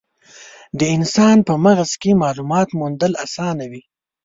د انسان په مغز کې مالومات موندل اسانه وي.